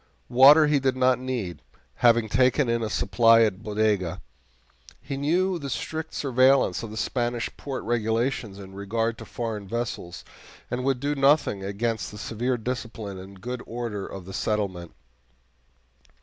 Water he did not need, having taken in a supply at Bodega. He knew the strict surveillance of the Spanish port regulations in regard to foreign vessels, and would do nothing against the severe discipline and good order of the settlement.